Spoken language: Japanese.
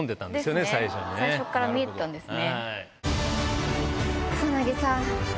最初から見えてたんですね。